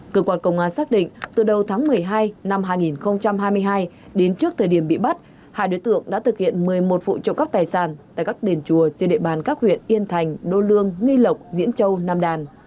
cơ quan công an xác định từ đầu tháng một mươi hai năm hai nghìn hai mươi hai đến trước thời điểm bị bắt hai đối tượng đã thực hiện một mươi một vụ trộm cắp tài sản tại các đền chùa trên địa bàn các huyện yên thành đô lương nghi lộc diễn châu nam đàn